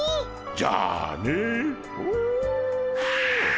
じゃあねモ。